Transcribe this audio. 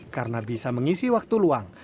karena bisa mengisi waktu luar